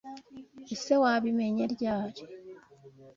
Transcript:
Ese Wabimenye ryari?